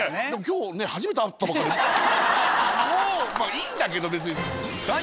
いいんだけど別に。